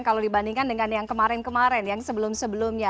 kalau dibandingkan dengan yang kemarin kemarin yang sebelum sebelumnya